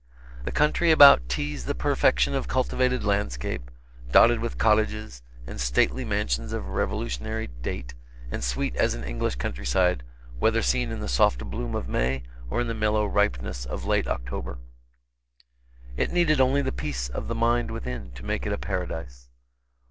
The country about was the perfection of cultivated landscape, dotted with cottages, and stately mansions of Revolutionary date, and sweet as an English country side, whether seen in the soft bloom of May or in the mellow ripeness of late October. It needed only the peace of the mind within, to make it a paradise.